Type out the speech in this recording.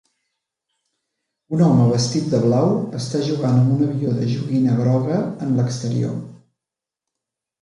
Un home vestit de blau està jugant amb un avió de joguina groga en l'exterior.